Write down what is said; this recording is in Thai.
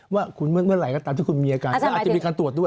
ว่าคุณเมื่อไหร่ก็ตามที่คุณมีอาการก็อาจจะมีการตรวจด้วย